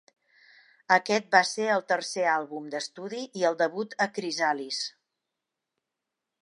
Aquest va ser el tercer àlbum d'estudi i el debut a Chrysalis.